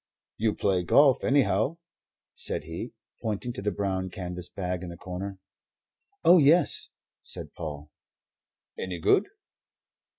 "You play golf, anyhow," said he, pointing to the brown canvas bag in the corner. "Oh, yes," said Paul. "Any good?"